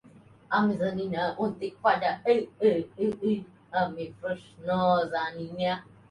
পরে অনেক উত্তপ্ত বাক্য বিনিময়ের পর ফ্রেডি পাঁচ বছরের জনকে জুলিয়া অথবা তার মধ্যে কোন একজনকে বেছে নেয়ার জন্য বলেন।